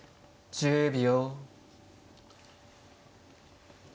１０秒。